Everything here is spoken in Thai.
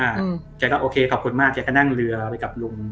แกก็โอเคขอบคุณมากแกก็นั่งเรือไปกับลุง